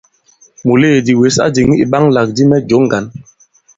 Mùleèdì wěs a dìŋì ìɓaŋalàkdi mɛ jǒ ŋgǎn.